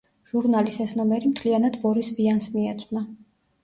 ჟურნალის ეს ნომერი მთლიანად ბორის ვიანს მიეძღვნა.